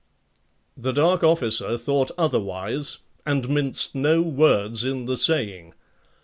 The dark officer thought otherwise and minced no words in the saying.